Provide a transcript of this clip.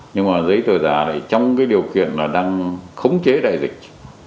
nhưng mà giấy tờ giả này trong cái điều kiện là đang khống chế đại dịch